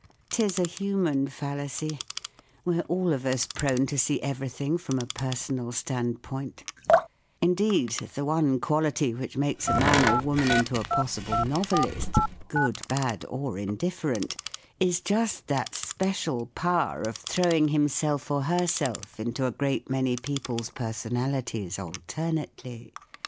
Tis a human fallacy, We're all of us prone to see everything from a personal standpoint ; indeed, the one quality which makes a man or woman into a possible novelist, good, bad, or indifferent, is just that special powder of throwing himself or herself into a great many people's personalities alternately.